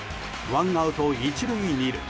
ワンアウト１塁２塁。